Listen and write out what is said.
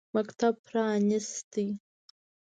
مکتب پرانیست.